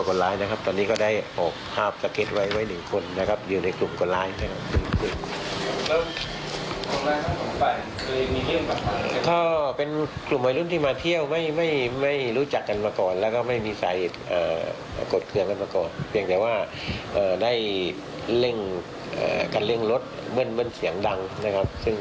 การเลี่ยงลดเมื่อนเมื่อนเสียงดังนะครับซึ่ง